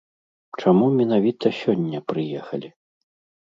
Чаму менавіта сёння прыехалі?